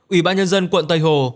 ủy ban nhân dân quận tây hồ